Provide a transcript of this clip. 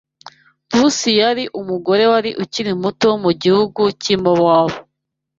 Rusi yari umugore wari ukiri muto wo mu gihugu cy’i Mowabu